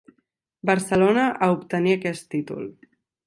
Barcelona, a obtenir aquest títol.